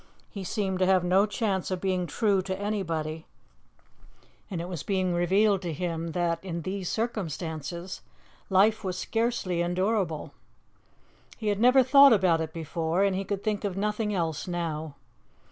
He seemed to have no chance of being true to anybody, and it was being revealed to him that, in these circumstances, life was scarcely endurable. He had never thought about it before, and he could think of nothing else now.